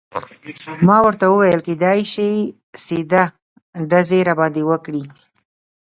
ما ورته وویل: کیدای شي سیده ډزې راباندې وکړي.